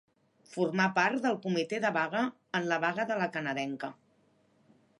Formà part del comitè de vaga en la vaga de La Canadenca.